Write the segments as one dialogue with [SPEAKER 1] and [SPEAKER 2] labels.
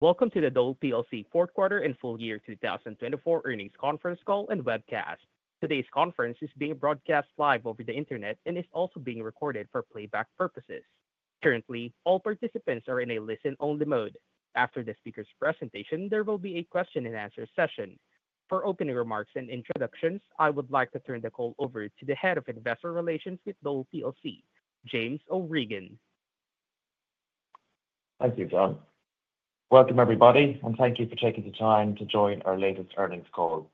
[SPEAKER 1] Welcome to the Dole plc Fourth Quarter and Full Year 2024 Earnings Conference Call and Webcast. Today's conference is being broadcast live over the internet and is also being recorded for playback purposes. Currently, all participants are in a listen-only mode. After the speaker's presentation, there will be a question-and-answer session. For opening remarks and introductions, I would like to turn the call over to the Head of Investor Relations with Dole plc, James O'Regan.
[SPEAKER 2] Thank you, John. Welcome, everybody, and thank you for taking the time to join our latest earnings call.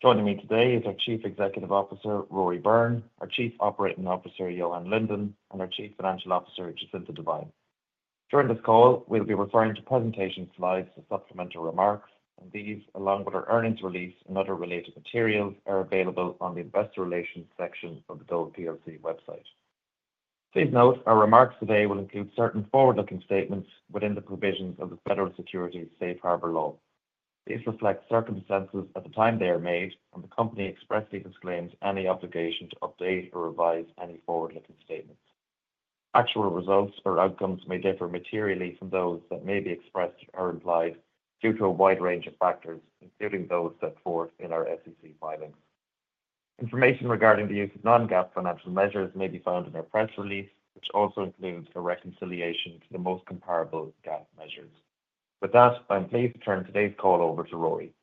[SPEAKER 2] Joining me today is our Chief Executive Officer, Rory Byrne, our Chief Operating Officer, Johan Lindén, and our Chief Financial Officer, Jacinta Devine. During this call, we'll be referring to presentation slides for supplemental remarks, and these, along with our earnings release and other related materials, are available on the Investor Relations section of the Dole plc website. Please note our remarks today will include certain forward-looking statements within the provisions of the Federal Securities Safe Harbor Law. These reflect circumstances at the time they are made, and the company expressly disclaims any obligation to update or revise any forward-looking statements. Actual results or outcomes may differ materially from those that may be expressed or implied due to a wide range of factors, including those set forth in our SEC filings. Information regarding the use of non-GAAP financial measures may be found in our press release, which also includes a reconciliation to the most comparable GAAP measures. With that, I'm pleased to turn today's call over to Rory.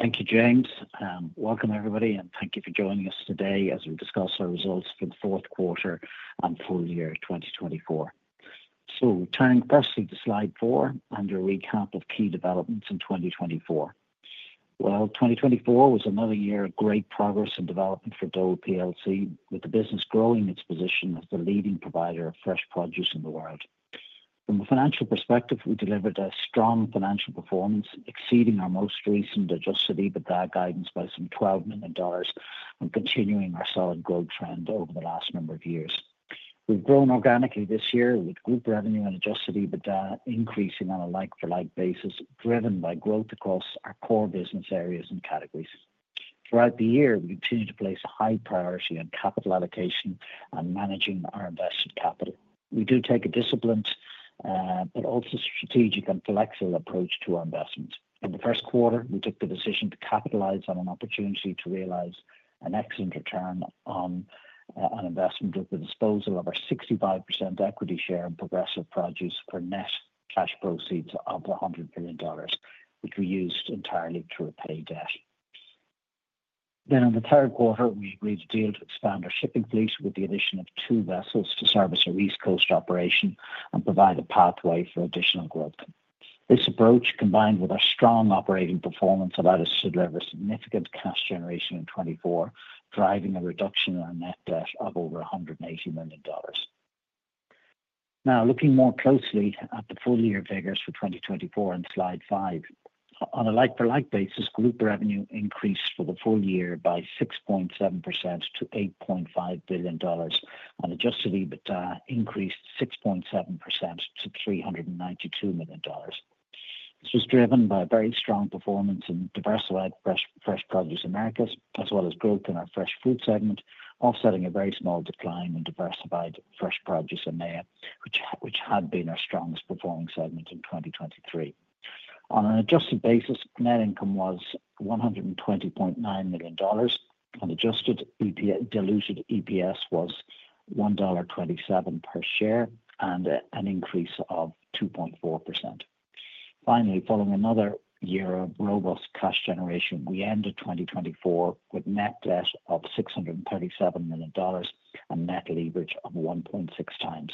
[SPEAKER 3] Thank you, James. Welcome, everybody, and thank you for joining us today as we discuss our results for the fourth quarter and full year 2024. Turning first to slide four and your recap of key developments in 2024. 2024 was another year of great progress and development for Dole plc, with the business growing its position as the leading provider of fresh produce in the world. From a financial perspective, we delivered a strong financial performance, exceeding our most recent Adjusted EBITDA guidance by some $12 million and continuing our solid growth trend over the last number of years. We've grown organically this year, with group revenue and Adjusted EBITDA increasing on a like-for-like basis, driven by growth across our core business areas and categories. Throughout the year, we continue to place a high priority on capital allocation and managing our invested capital. We do take a disciplined but also strategic and flexible approach to our investments. In the first quarter, we took the decision to capitalize on an opportunity to realize an excellent return on an investment with the disposal of our 65% equity share in Progressive Produce for net cash proceeds of $100 million, which we used entirely to repay debt. Then, in the third quarter, we agreed to deal to expand our shipping fleet with the addition of two vessels to service our East Coast operation and provide a pathway for additional growth. This approach, combined with our strong operating performance, allowed us to deliver significant cash generation in 2024, driving a reduction in our net debt of over $180 million. Now, looking more closely at the full year figures for 2024 on slide five, on a like-for-like basis, group revenue increased for the full year by 6.7% to $8.5 billion, and Adjusted EBITDA increased 6.7% to $392 million. This was driven by very strong performance in Diversified Fresh Produce Americas, as well as growth in our Fresh Food segment, offsetting a very small decline in Diversified Fresh Produce EMEA, which had been our strongest performing segment in 2023. On an adjusted basis, net income was $120.9 million, and adjusted diluted EPS was $1.27 per share and an increase of 2.4%. Finally, following another year of robust cash generation, we ended 2024 with net debt of $637 million and net leverage of 1.6 times,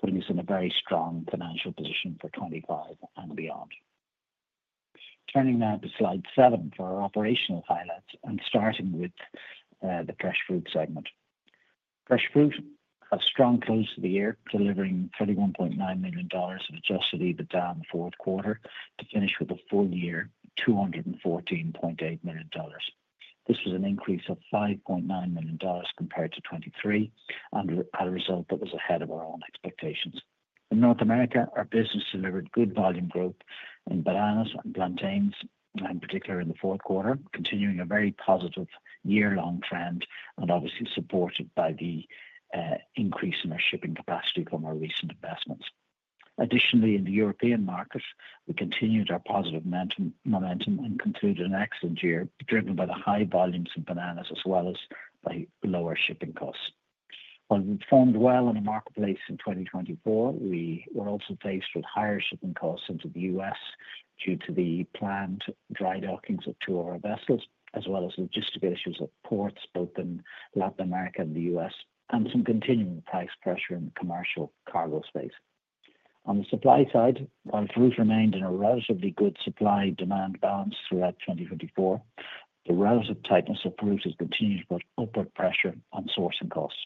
[SPEAKER 3] putting us in a very strong financial position for 2025 and beyond. Turning now to slide seven for our operational highlights and starting with the Fresh Fruit segment. Fresh Fruit had a strong close to the year, delivering $31.9 million of adjusted EBITDA in the fourth quarter to finish with a full year of $214.8 million. This was an increase of $5.9 million compared to 2023, and had a result that was ahead of our own expectations. In North America, our business delivered good volume growth in bananas and plantains, in particular in the fourth quarter, continuing a very positive year-long trend and obviously supported by the increase in our shipping capacity from our recent investments. Additionally, in the European markets, we continued our positive momentum and concluded an excellent year, driven by the high volumes of bananas as well as by lower shipping costs. While we performed well in the marketplace in 2024, we were also faced with higher shipping costs into the U.S. due to the planned dry dockings of two of our vessels, as well as logistical issues at ports both in Latin America and the U.S., and some continuing price pressure in the commercial cargo space. On the supply side, while fruit remained in a relatively good supply-demand balance throughout 2024, the relative tightness of fruit has continued to put upward pressure on sourcing costs.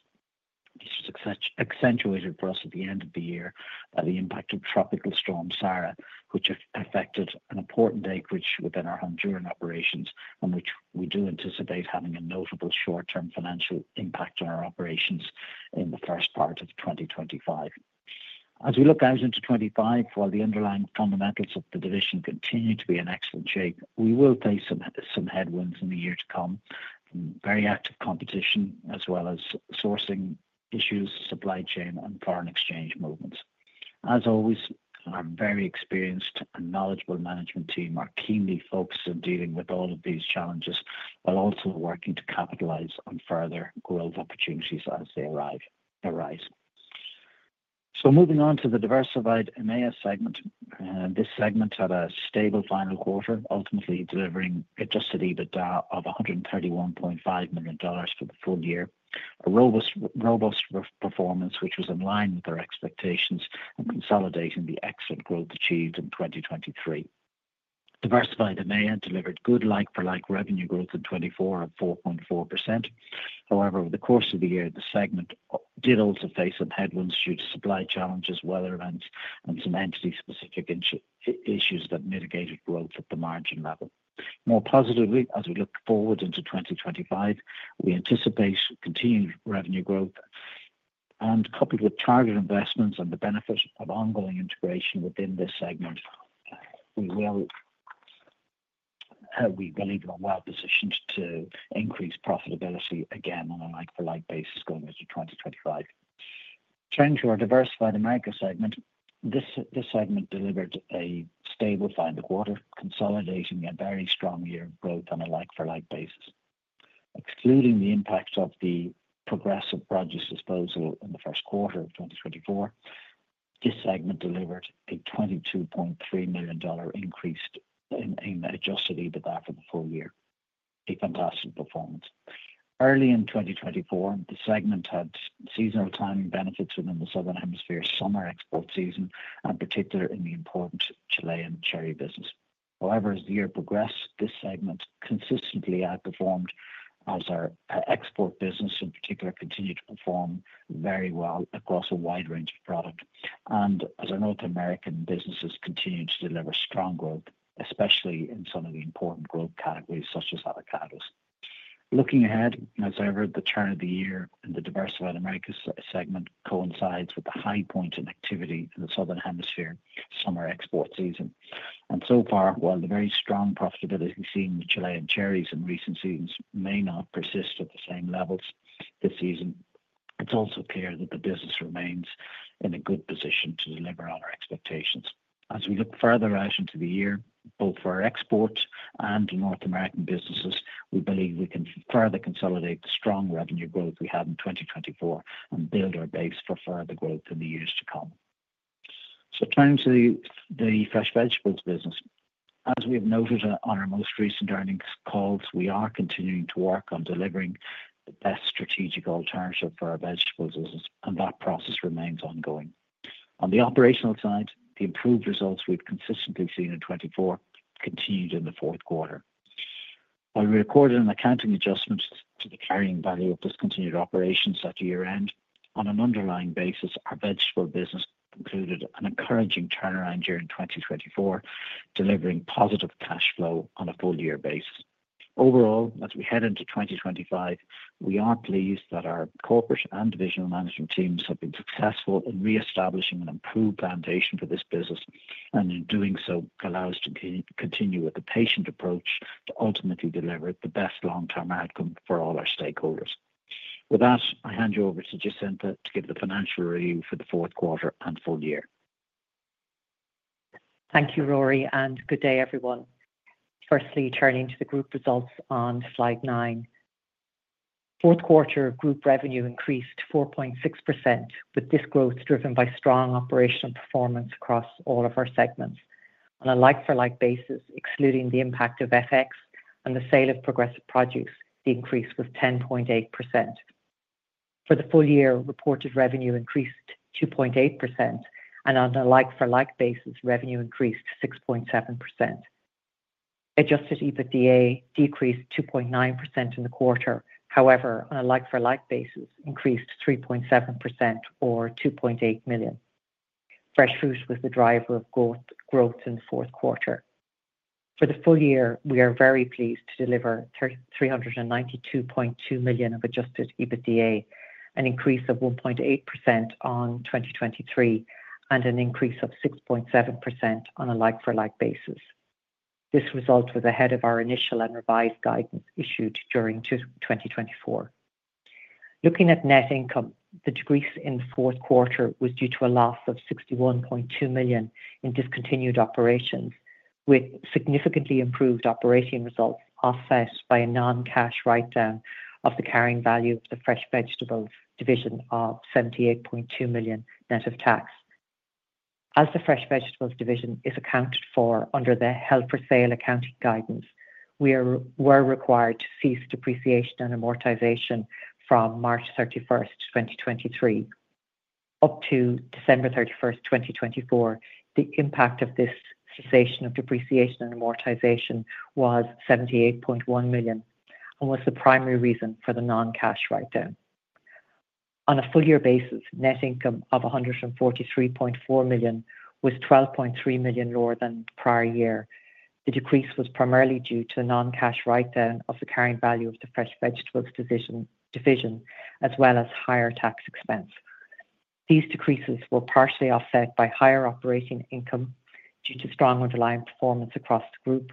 [SPEAKER 3] This was accentuated for us at the end of the year by the impact of Tropical Storm Sara, which affected an important acreage within our Honduran operations, and which we do anticipate having a notable short-term financial impact on our operations in the first part of 2025. As we look out into 2025, while the underlying fundamentals of the division continue to be in excellent shape, we will face some headwinds in the year to come from very active competition, as well as sourcing issues, supply chain, and foreign exchange movements. As always, our very experienced and knowledgeable management team are keenly focused on dealing with all of these challenges, while also working to capitalize on further growth opportunities as they arise. So moving on to the Diversified EMEA segment, this segment had a stable final quarter, ultimately delivering Adjusted EBITDA of $131.5 million for the full year, a robust performance which was in line with our expectations and consolidating the excellent growth achieved in 2023. Diversified EMEA delivered good like-for-like revenue growth in 2024 of 4.4%. However, over the course of the year, the segment did also face some headwinds due to supply challenges, weather events, and some entity-specific issues that mitigated growth at the margin level. More positively, as we look forward into 2025, we anticipate continued revenue growth, and coupled with target investments and the benefit of ongoing integration within this segment, we believe we're well positioned to increase profitability again on a like-for-like basis going into 2025. Turning to our Diversified Americas segment, this segment delivered a stable final quarter, consolidating a very strong year of growth on a like-for-like basis. Excluding the impact of the Progressive Produce disposal in the first quarter of 2024, this segment delivered a $22.3 million increase in Adjusted EBITDA for the full year. A fantastic performance. Early in 2024, the segment had seasonal timing benefits within the Southern Hemisphere summer export season, in particular in the important Chilean cherry business. However, as the year progressed, this segment consistently outperformed, as our export business, in particular, continued to perform very well across a wide range of product, and as our North American businesses continued to deliver strong growth, especially in some of the important growth categories such as avocados. Looking ahead, as at the turn of the year in the Diversified Americas segment coincides with a high point in activity in the Southern Hemisphere summer export season, and so far, while the very strong profitability seen in Chilean cherries in recent seasons may not persist at the same levels this season, it's also clear that the business remains in a good position to deliver on our expectations. As we look further out into the year, both for our export and North American businesses, we believe we can further consolidate the strong revenue growth we had in 2024 and build our base for further growth in the years to come. So turning to the Fresh Vegetables business, as we have noted on our most recent earnings calls, we are continuing to work on delivering the best strategic alternative for our vegetables, and that process remains ongoing. On the operational side, the improved results we've consistently seen in 2024 continued in the fourth quarter. While we recorded an accounting adjustment to the carrying value of discontinued operations at year-end, on an underlying basis, our vegetable business concluded an encouraging turnaround year in 2024, delivering positive cash flow on a full year basis. Overall, as we head into 2025, we are pleased that our corporate and divisional management teams have been successful in reestablishing an improved foundation for this business, and in doing so, allow us to continue with the patient approach to ultimately deliver the best long-term outcome for all our stakeholders. With that, I hand you over to Jacinta to give the financial review for the fourth quarter and full year.
[SPEAKER 4] Thank you, Rory, and good day, everyone. Firstly, turning to the group results on slide nine, fourth quarter group revenue increased 4.6%, with this growth driven by strong operational performance across all of our segments. On a like-for-like basis, excluding the impact of FX and the sale of Progressive Produce, the increase was 10.8%. For the full year, reported revenue increased 2.8%, and on a like-for-like basis, revenue increased 6.7%. Adjusted EBITDA decreased 2.9% in the quarter. However, on a like-for-like basis, increased 3.7% or $2.8 million. Fresh Fruit was the driver of growth in the fourth quarter. For the full year, we are very pleased to deliver $392.2 million of adjusted EBITDA, an increase of 1.8% on 2023, and an increase of 6.7% on a like-for-like basis. This result was ahead of our initial and revised guidance issued during 2024. Looking at net income, the decrease in the fourth quarter was due to a loss of $61.2 million in discontinued operations, with significantly improved operating results offset by a non-cash write-down of the carrying value of the Fresh Vegetables division of $78.2 million net of tax. As the Fresh Vegetables division is accounted for under the held for sale accounting guidance, we were required to cease depreciation and amortization from March 31st, 2023. Up to December 31st, 2024, the impact of this cessation of depreciation and amortization was $78.1 million and was the primary reason for the non-cash write-down. On a full year basis, net income of $143.4 million was $12.3 million lower than prior year. The decrease was primarily due to the non-cash write-down of the carrying value of the Fresh Vegetables division, as well as higher tax expense. These decreases were partially offset by higher operating income due to strong underlying performance across the group,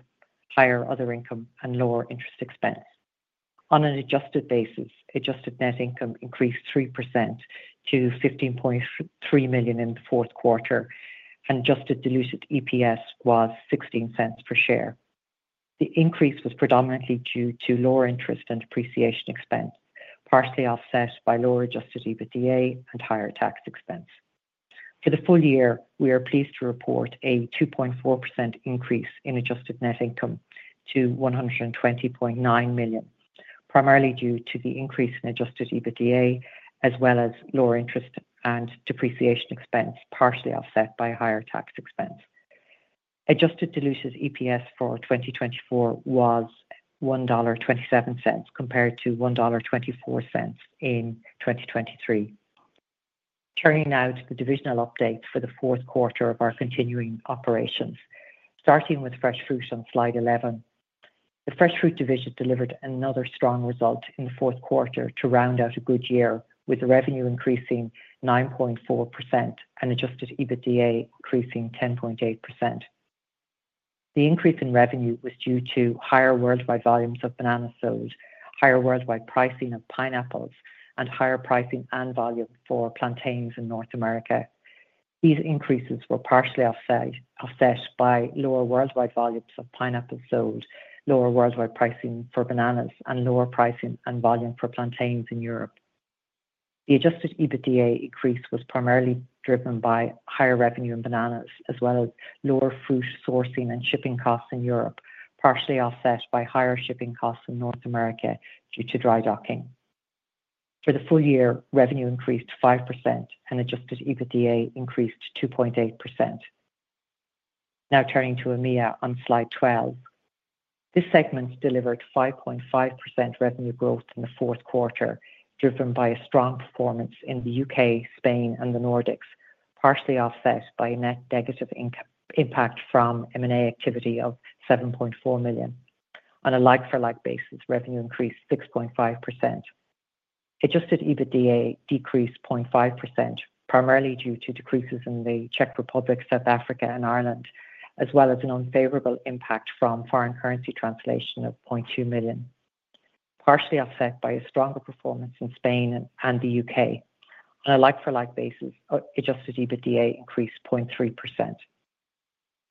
[SPEAKER 4] higher other income, and lower interest expense. On an adjusted basis, adjusted net income increased 3% to $15.3 million in the fourth quarter, and adjusted diluted EPS was $0.16 per share. The increase was predominantly due to lower interest and depreciation expense, partially offset by lower adjusted EBITDA and higher tax expense. For the full year, we are pleased to report a 2.4% increase in adjusted net income to $120.9 million, primarily due to the increase in adjusted EBITDA, as well as lower interest and depreciation expense, partially offset by higher tax expense. Adjusted diluted EPS for 2024 was $1.27 compared to $1.24 in 2023. Turning now to the divisional update for the fourth quarter of our continuing operations, starting with Fresh Fruit on slide 11. The Fresh Fruit division delivered another strong result in the fourth quarter to round out a good year, with revenue increasing 9.4% and Adjusted EBITDA increasing 10.8%. The increase in revenue was due to higher worldwide volumes of bananas sold, higher worldwide pricing of pineapples, and higher pricing and volume for plantains in North America. These increases were partially offset by lower worldwide volumes of pineapples sold, lower worldwide pricing for bananas, and lower pricing and volume for plantains in Europe. The Adjusted EBITDA increase was primarily driven by higher revenue in bananas, as well as lower fruit sourcing and shipping costs in Europe, partially offset by higher shipping costs in North America due to dry docking. For the full year, revenue increased 5% and Adjusted EBITDA increased 2.8%. Now turning to EMEA on slide 12, this segment delivered 5.5% revenue growth in the fourth quarter, driven by a strong performance in the U.K., Spain, and the Nordics, partially offset by a net negative impact from M&A activity of $7.4 million. On a like-for-like basis, revenue increased 6.5%. Adjusted EBITDA decreased 0.5%, primarily due to decreases in the Czech Republic, South Africa, and Ireland, as well as an unfavorable impact from foreign currency translation of $0.2 million, partially offset by a stronger performance in Spain and the U.K.. On a like-for-like basis, adjusted EBITDA increased 0.3%.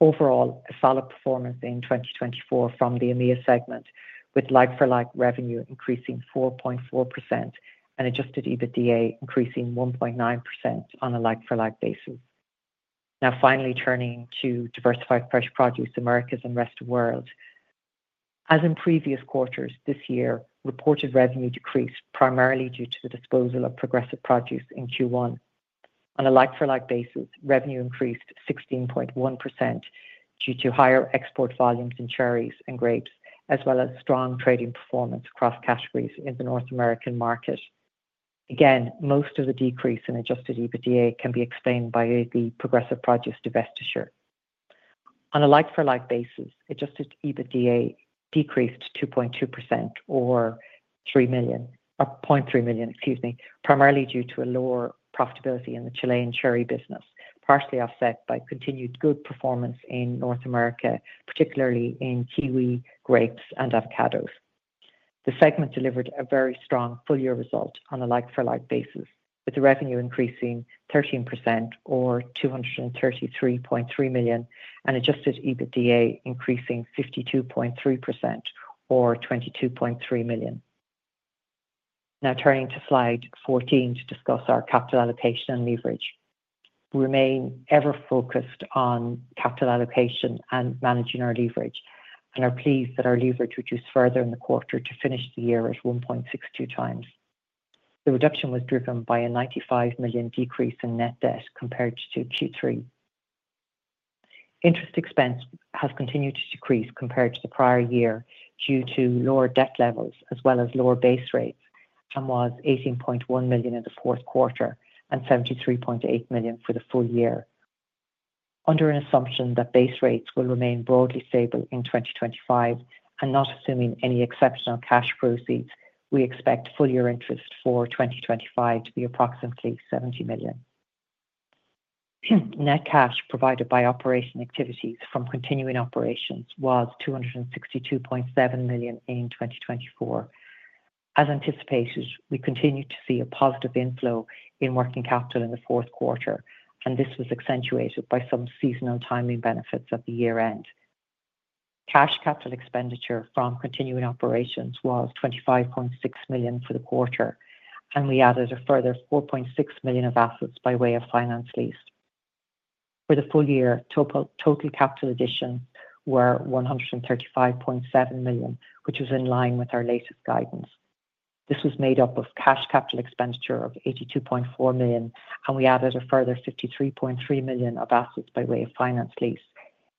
[SPEAKER 4] Overall, a solid performance in 2024 from the EMEA segment, with like-for-like revenue increasing 4.4% and adjusted EBITDA increasing 1.9% on a like-for-like basis. Now finally turning to Diversified Fresh Produce, Americas and Rest of the World. As in previous quarters, this year reported revenue decreased primarily due to the disposal of Progressive Produce in Q1. On a like-for-like basis, revenue increased 16.1% due to higher export volumes in cherries and grapes, as well as strong trading performance across categories in the North American market. Again, most of the decrease in Adjusted EBITDA can be explained by the Progressive Produce divestiture. On a like-for-like basis, Adjusted EBITDA decreased 2.2% or $0.3 million, primarily due to a lower profitability in the Chilean cherry business, partially offset by continued good performance in North America, particularly in kiwi, grapes, and avocados. The segment delivered a very strong full year result on a like-for-like basis, with the revenue increasing 13% or $233.3 million, and Adjusted EBITDA increasing 52.3% or $22.3 million. Now turning to slide 14 to discuss our capital allocation and leverage. We remain ever focused on capital allocation and managing our leverage, and are pleased that our leverage reduced further in the quarter to finish the year at 1.62 times. The reduction was driven by a $95 million decrease in net debt compared to Q3. Interest expense has continued to decrease compared to the prior year due to lower debt levels, as well as lower base rates, and was $18.1 million in the fourth quarter and $73.8 million for the full year. Under an assumption that base rates will remain broadly stable in 2025, and not assuming any exceptional cash proceeds, we expect full year interest for 2025 to be approximately $70 million. Net cash provided by operating activities from continuing operations was $262.7 million in 2024. As anticipated, we continued to see a positive inflow in working capital in the fourth quarter, and this was accentuated by some seasonal timing benefits at the year-end. Cash capital expenditure from continuing operations was $25.6 million for the quarter, and we added a further $4.6 million of assets by way of finance lease. For the full year, total capital additions were $135.7 million, which was in line with our latest guidance. This was made up of cash capital expenditure of $82.4 million, and we added a further $53.3 million of assets by way of finance lease,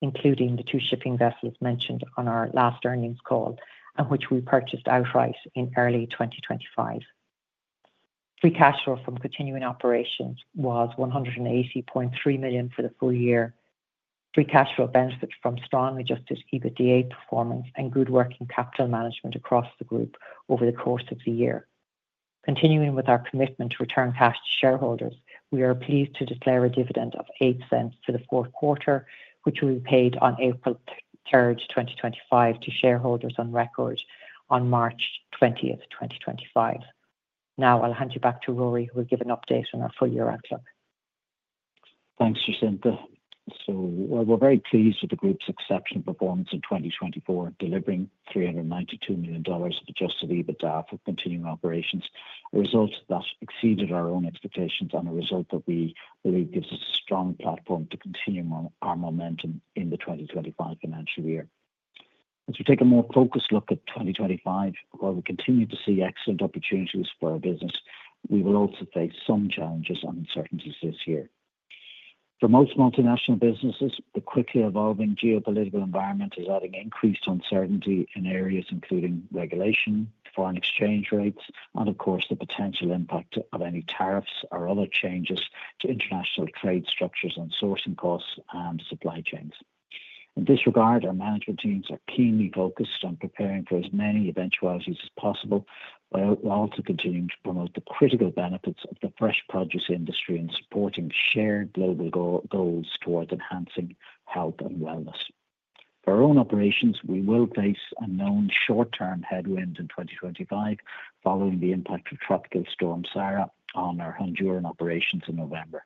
[SPEAKER 4] including the two shipping vessels mentioned on our last earnings call, and which we purchased outright in early 2025. Free cash flow from continuing operations was $180.3 million for the full year. Free cash flow benefited from strong Adjusted EBITDA performance and good working capital management across the group over the course of the year. Continuing with our commitment to return cash to shareholders, we are pleased to declare a dividend of $0.08 for the fourth quarter, which will be paid on April 3rd, 2025, to shareholders on record on March 20th, 2025. Now I'll hand you back to Rory, who will give an update on our full year outlook.
[SPEAKER 3] Thanks, Jacinta. So we're very pleased with the group's exceptional performance in 2024, delivering $392 million of Adjusted EBITDA for continuing operations. A result that exceeded our own expectations and a result that we believe gives us a strong platform to continue our momentum in the 2025 financial year. As we take a more focused look at 2025, while we continue to see excellent opportunities for our business, we will also face some challenges and uncertainties this year. For most multinational businesses, the quickly evolving geopolitical environment is adding increased uncertainty in areas including regulation, foreign exchange rates, and of course, the potential impact of any tariffs or other changes to international trade structures and sourcing costs and supply chains. In this regard, our management teams are keenly focused on preparing for as many eventualities as possible, while also continuing to promote the critical benefits of the fresh produce industry and supporting shared global goals towards enhancing health and wellness. For our own operations, we will face a known short-term headwind in 2025, following the impact of Tropical Storm Sara on our Honduran operations in November.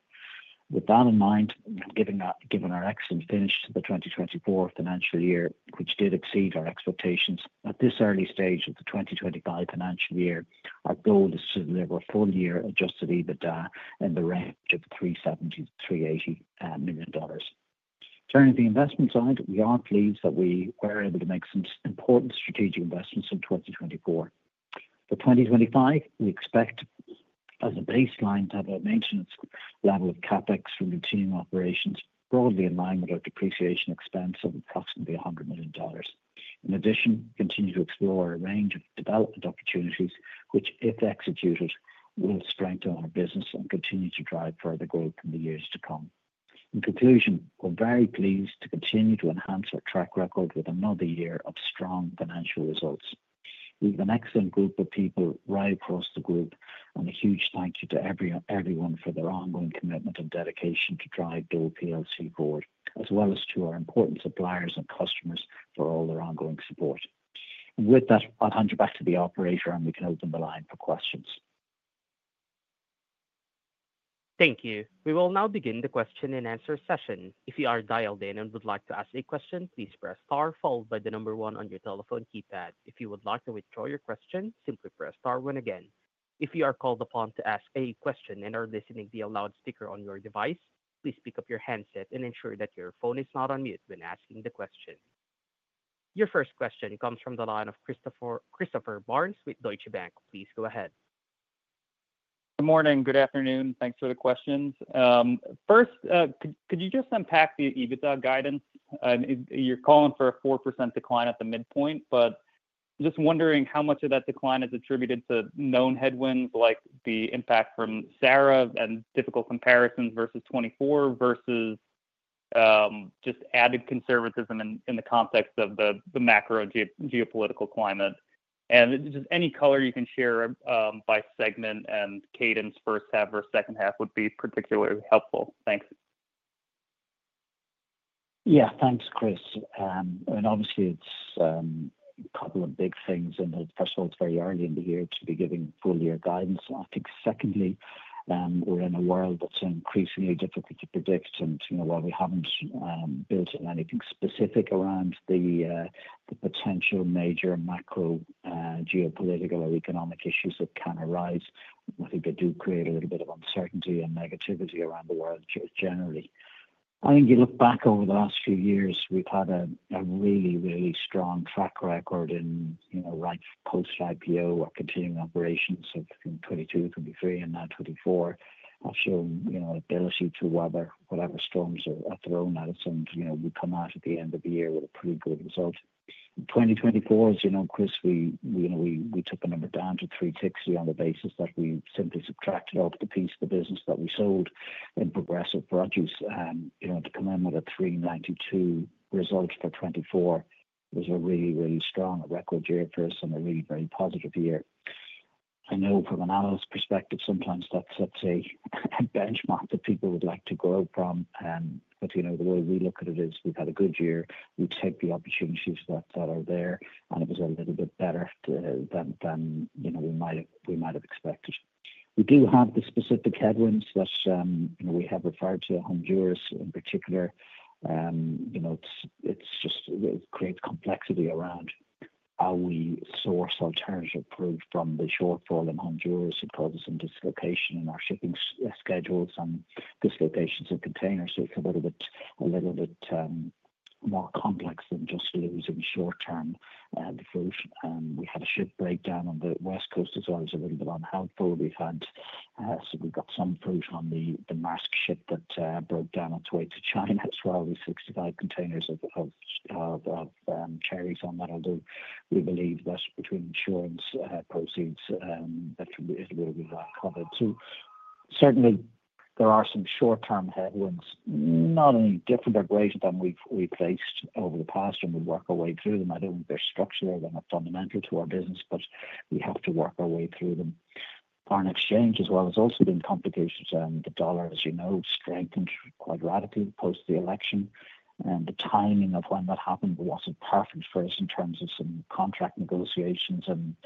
[SPEAKER 3] With that in mind, given our excellent finish to the 2024 financial year, which did exceed our expectations, at this early stage of the 2025 financial year, our goal is to deliver a full year adjusted EBITDA in the range of $370-$380 million. Turning to the investment side, we are pleased that we were able to make some important strategic investments in 2024. For 2025, we expect as a baseline to have a maintenance level of CapEx from continuing operations, broadly in line with our depreciation expense of approximately $100 million. In addition, continue to explore a range of development opportunities, which, if executed, will strengthen our business and continue to drive further growth in the years to come. In conclusion, we're very pleased to continue to enhance our track record with another year of strong financial results. We have an excellent group of people right across the group, and a huge thank you to everyone for their ongoing commitment and dedication to drive Dole plc forward, as well as to our important suppliers and customers for all their ongoing support. And with that, I'll hand you back to the operator, and we can open the line for questions.
[SPEAKER 1] Thank you. We will now begin the question and answer session. If you are dialed in and would like to ask a question, please press star followed by the number one on your telephone keypad. If you would like to withdraw your question, simply press star one again. If you are called upon to ask a question and are listening to the loudspeaker on your device, please pick up your handset and ensure that your phone is not on mute when asking the question. Your first question comes from the line of Christopher Barnes with Deutsche Bank. Please go ahead.
[SPEAKER 5] Good morning. Good afternoon. Thanks for the questions. First, could you just unpack the EBITDA guidance? You're calling for a 4% decline at the midpoint, but just wondering how much of that decline is attributed to known headwinds like the impact from Sara and difficult comparisons versus 2024 versus just added conservatism in the context of the macro geopolitical climate. And just any color you can share by segment and cadence, first half or second half, would be particularly helpful. Thanks.
[SPEAKER 3] Yeah, thanks, Chris. And obviously, it's a couple of big things. And first of all, it's very early in the year to be giving full year guidance. I think secondly, we're in a world that's increasingly difficult to predict. And while we haven't built on anything specific around the potential major macro geopolitical or economic issues that can arise, I think they do create a little bit of uncertainty and negativity around the world generally. I think you look back over the last few years, we've had a really, really strong track record in post-IPO or continuing operations of 2022, 2023, and now 2024, have shown ability to weather whatever storms are thrown at us. And we come out at the end of the year with a pretty good result. In 2024, as you know, Chris, we took the number down to 360 on the basis that we simply subtracted off the piece of the business that we sold in Progressive Produce, and to come in with a 392 result for 2024 was a really, really strong record year for us and a really very positive year. I know from an analyst perspective, sometimes that's a benchmark that people would like to grow from, but the way we look at it is we've had a good year. We take the opportunities that are there, and it was a little bit better than we might have expected. We do have the specific headwinds that we have referred to, Honduras in particular. It just creates complexity around how we source alternative food from the shortfall in Honduras. It causes some dislocation in our shipping schedules and dislocations of containers. So it's a little bit more complex than just losing short-term the food. We had a ship breakdown on the West Coast as well. It was a little bit unhelpful. So we've got some food on the Maersk ship that broke down on its way to China as well. There's 65 containers of cherries on that, although we believe that between insurance proceeds, that it will be covered. So certainly, there are some short-term headwinds, not any different or greater than we've faced over the past, and we'll work our way through them. I don't think they're structural or they're not fundamental to our business, but we have to work our way through them. Foreign exchange, as well, has also been complicated. The dollar, as you know, strengthened quite radically post the election. And the timing of when that happened wasn't perfect for us in terms of some contract negotiations and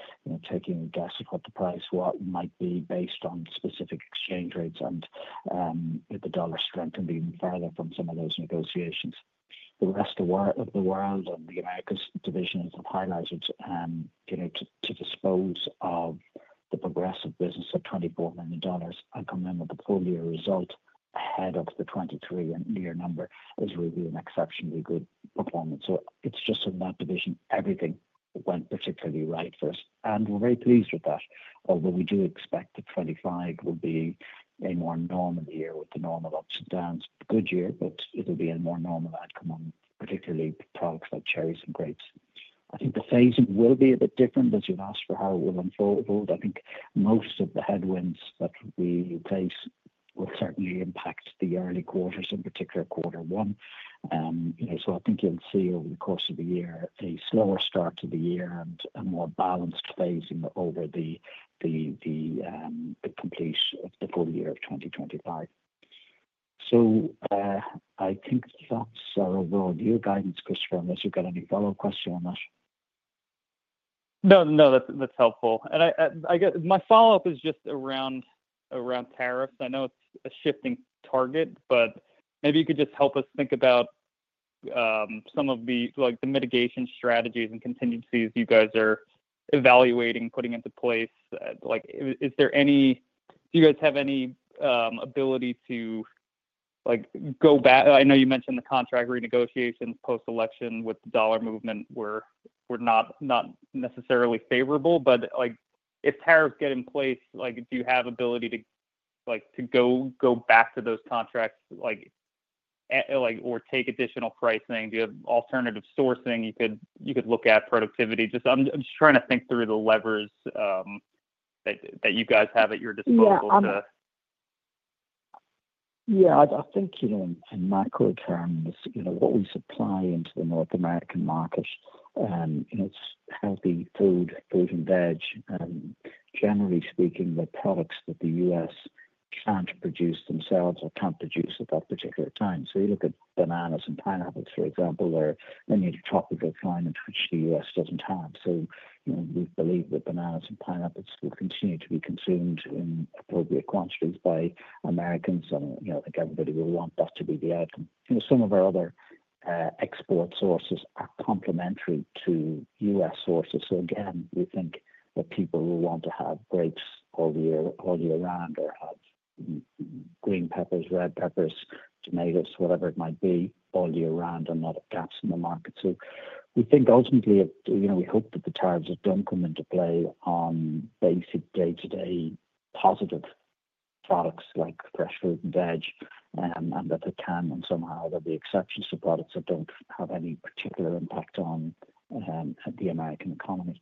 [SPEAKER 3] taking a guess at what the price might be based on specific exchange rates. And the dollar strengthened even further from some of those negotiations. The rest of the world and the Americas division has highlighted to dispose of the Progressive business at $24 million. And coming in with the full year result ahead of the 2023 and near number is really an exceptionally good performance. So it's just in that division, everything went particularly right for us. And we're very pleased with that, although we do expect that 2025 will be a more normal year with the normal ups and downs. Good year, but it'll be a more normal outcome on particularly products like cherries and grapes. I think the phasing will be a bit different as you've asked for how it will unfold. I think most of the headwinds that we face will certainly impact the early quarters, in particular quarter one. So I think you'll see over the course of the year a slower start to the year and a more balanced phasing over the complete full year of 2025. So I think that's our overall year guidance, Christopher. Unless you've got any follow-up question on that?
[SPEAKER 5] No, no, that's helpful. And my follow-up is just around tariffs. I know it's a shifting target, but maybe you could just help us think about some of the mitigation strategies and contingencies you guys are evaluating, putting into place. Is there any, do you guys have any ability to go back? I know you mentioned the contract renegotiations post-election with the dollar movement were not necessarily favorable, but if tariffs get in place, do you have ability to go back to those contracts or take additional pricing? Do you have alternative sourcing you could look at, productivity? Just I'm just trying to think through the levers that you guys have at your disposal.
[SPEAKER 3] Yeah, I think in macro terms, what we supply into the North American market, it's healthy food, fruit, and veg. Generally speaking, the products that the U.S. can't produce themselves or can't produce at that particular time. So you look at bananas and pineapples, for example, they're in a tropical climate which the U.S. doesn't have. So we believe that bananas and pineapples will continue to be consumed in appropriate quantities by Americans. And I think everybody will want that to be the outcome. Some of our other export sources are complementary to U.S. sources. So again, we think that people will want to have grapes all year round or have green peppers, red peppers, tomatoes, whatever it might be, all year round and not have gaps in the market. So we think ultimately, we hope that the tariffs don't come into play on basic day-to-day positive products like fresh fruit and veg, and that they can somehow be exceptions to products that don't have any particular impact on the American economy.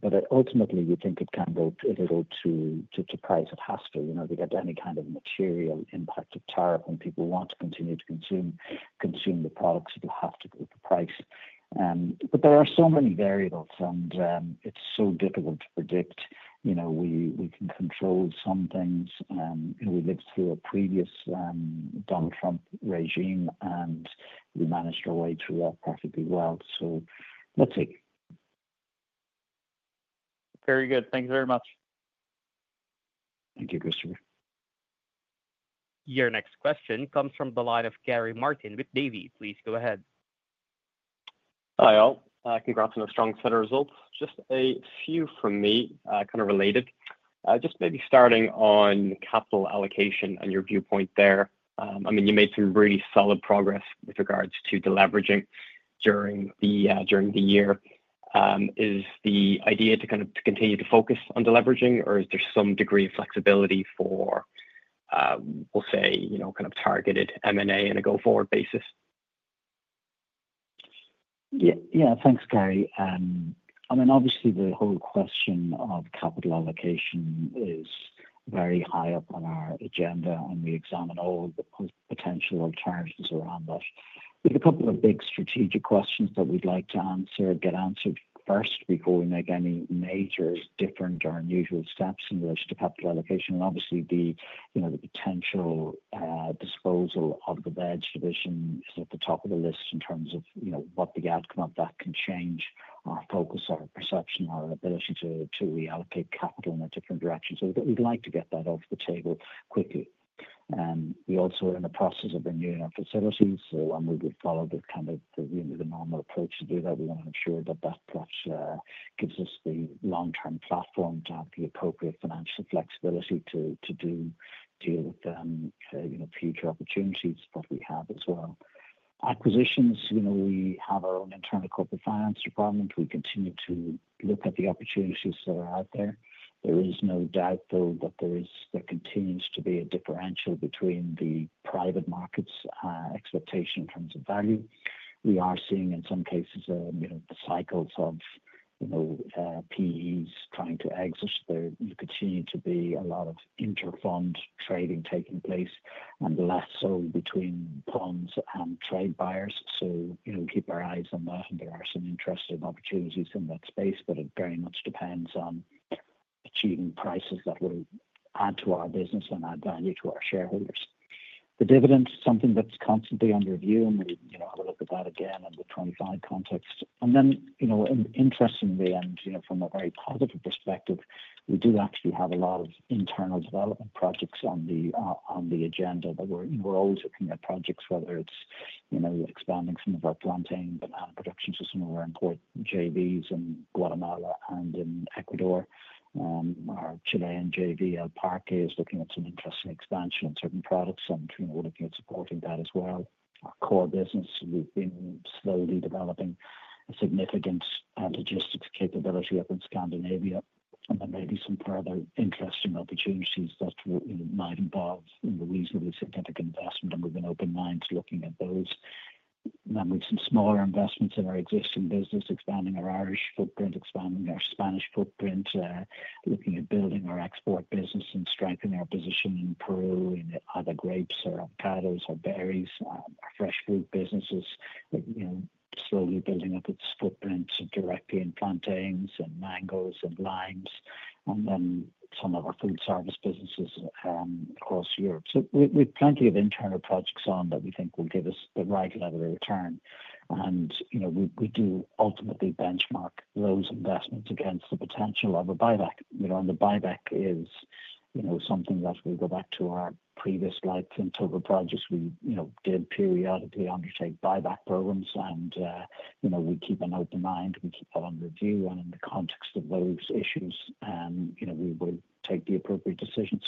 [SPEAKER 3] But ultimately, we think it can go to price it has to. If you get any kind of material impact of tariff and people want to continue to consume the products, it'll have to go to price. But there are so many variables, and it's so difficult to predict. We can control some things. We lived through a previous Donald Trump regime, and we managed our way through that perfectly well. So let's see.
[SPEAKER 5] Very good. Thank you very much.
[SPEAKER 3] Thank you, Christopher.
[SPEAKER 1] Your next question comes from the line of Gary Martin with Davy. Please go ahead.
[SPEAKER 6] Hi, all. Congrats on a strong set of results. Just a few from me, kind of related. Just maybe starting on capital allocation and your viewpoint there. I mean, you made some really solid progress with regards to the leveraging during the year. Is the idea to kind of continue to focus on the leveraging, or is there some degree of flexibility for, we'll say, kind of targeted M&A on a go-forward basis?
[SPEAKER 3] Yeah, thanks, Gary. I mean, obviously, the whole question of capital allocation is very high up on our agenda, and we examine all the potential alternatives around that. We have a couple of big strategic questions that we'd like to get answered first before we make any major different or unusual steps in relation to capital allocation. And obviously, the potential disposal of the veg division is at the top of the list in terms of what the outcome of that can change, our focus, our perception, our ability to reallocate capital in a different direction. So we'd like to get that off the table quickly. We also are in the process of renewing our facilities. So when we would follow the kind of the normal approach to do that, we want to ensure that that gives us the long-term platform to have the appropriate financial flexibility to deal with future opportunities that we have as well. Acquisitions, we have our own internal corporate finance department. We continue to look at the opportunities that are out there. There is no doubt, though, that there continues to be a differential between the private markets' expectation in terms of value. We are seeing, in some cases, the cycles of PEs trying to exit. There continues to be a lot of inter-fund trading taking place, and less so between funds and trade buyers. So we keep our eyes on that, and there are some interesting opportunities in that space, but it very much depends on achieving prices that will add to our business and add value to our shareholders. The dividend is something that's constantly under review, and we'll have a look at that again in the 2025 context. And then, interestingly, and from a very positive perspective, we do actually have a lot of internal development projects on the agenda that we're always looking at projects, whether it's expanding some of our planting, banana productions, or some of our important JVs in Guatemala and in Ecuador. Our Chilean JV, El Parque, is looking at some interesting expansion on certain products, and we're looking at supporting that as well. Our core business, we've been slowly developing a significant logistics capability up in Scandinavia. And there may be some further interesting opportunities that might involve a reasonably significant investment, and we've been open-minded looking at those. Then we have some smaller investments in our existing business, expanding our Irish footprint, expanding our Spanish footprint, looking at building our export business and strengthening our position in Peru in either grapes or avocados or berries. Our Fresh Fruit business is slowly building up its footprint directly in plantains and mangoes and limes. And then some of our food service businesses across Europe. So we have plenty of internal projects on that we think will give us the right level of return. And we do ultimately benchmark those investments against the potential of a buyback. And the buyback is something that we go back to our previous life in Total Produce we did periodically undertake buyback programs, and we keep an open mind. We keep that under review. And in the context of those issues, we will take the appropriate decisions.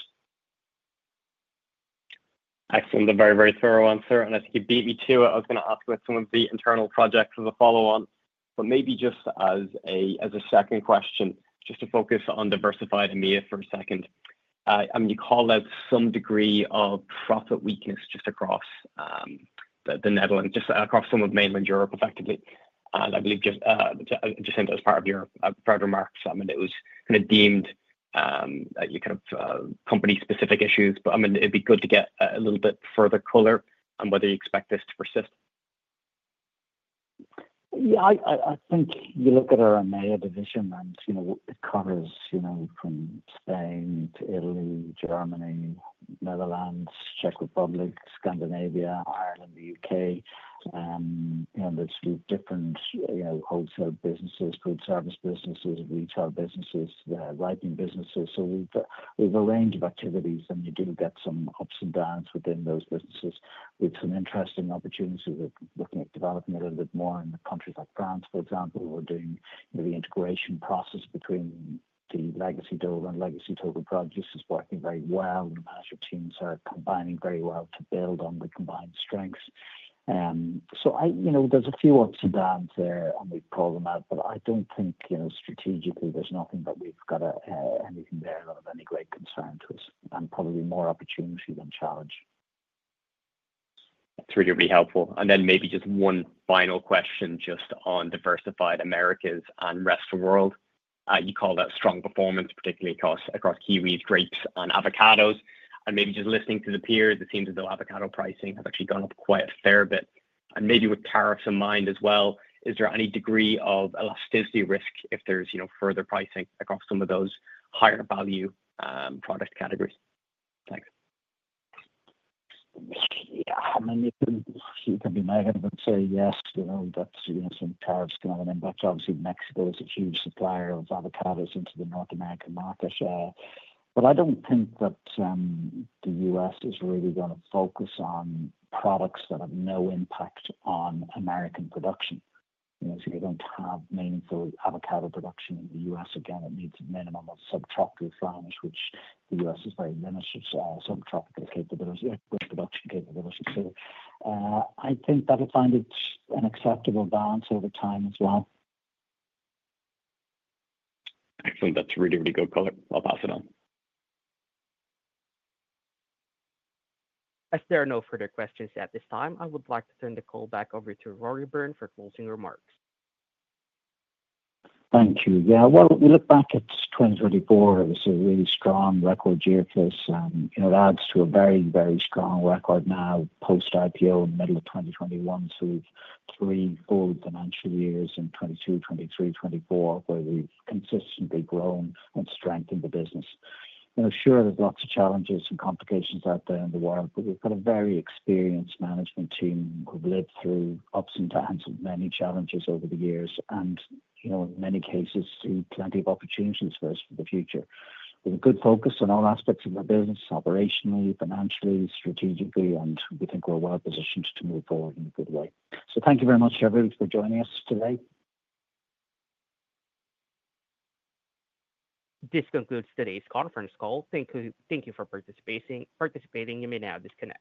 [SPEAKER 6] Excellent. A very, very thorough answer. And I think you beat me to it. I was going to ask what some of the internal projects are the follow-on. But maybe just as a second question, just to focus on diversified EMEA for a second. I mean, you call that some degree of profit weakness just across the Netherlands, just across some of mainland Europe, effectively. And I believe Jacinta was part of your remarks. I mean, it was kind of deemed that you kind of company-specific issues. But I mean, it'd be good to get a little bit further color on whether you expect this to persist.
[SPEAKER 3] Yeah, I think you look at our EMEA division, and it covers from Spain to Italy, Germany, Netherlands, Czech Republic, Scandinavia, Ireland, the U.K. There's different wholesale businesses, food service businesses, retail businesses, writing businesses. So we have a range of activities, and you do get some ups and downs within those businesses. We have some interesting opportunities. We're looking at developing a little bit more in countries like France, for example. We're doing the integration process between the Legacy Dole and Legacy Total Produce is working very well. The management teams are combining very well to build on the combined strengths. So there's a few ups and downs there, and we call them out. But I don't think strategically there's nothing that we've got anything there that is of any great concern to us. And probably more opportunity than challenge.
[SPEAKER 6] That's really helpful. And then maybe just one final question just on diversified Americas and rest of the world. You call that strong performance, particularly across kiwis, grapes, and avocados. And maybe just listening to the peers, it seems as though avocado pricing has actually gone up quite a fair bit. And maybe with tariffs in mind as well, is there any degree of elasticity risk if there's further pricing across some of those higher value product categories? Thanks.
[SPEAKER 3] Yeah, I mean, you can be negative and say yes, that's when tariffs come in. But obviously, Mexico is a huge supplier of avocados into the North American market. But I don't think that the U.S. is really going to focus on products that have no impact on American production. So you don't have meaningful avocado production in the U.S. Again, it needs a minimum of subtropical farmers, which the U.S. is very limited in subtropical production capabilities. So I think that'll find an acceptable balance over time as well.
[SPEAKER 6] Excellent. That's really, really good color. I'll pass it on.
[SPEAKER 1] If there are no further questions at this time, I would like to turn the call back over to Rory Byrne for closing remarks.
[SPEAKER 3] Thank you. Yeah, well, we look back at 2024. It was a really strong record year for us. It adds to a very, very strong record now post-IPO in the middle of 2021. So we've three full financial years in 2022, 2023, 2024 where we've consistently grown and strengthened the business. And sure, there's lots of challenges and complications out there in the world, but we've got a very experienced management team who've lived through ups and downs of many challenges over the years. And in many cases, see plenty of opportunities for us for the future. We have a good focus on all aspects of our business, operationally, financially, strategically, and we think we're well positioned to move forward in a good way. So thank you very much, everybody, for joining us today.
[SPEAKER 1] This concludes today's conference call. Thank you for participating. You may now disconnect.